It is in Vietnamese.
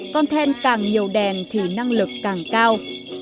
con then càng nhiều đèn thì năng lực càng cao